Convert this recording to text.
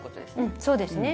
そうですね。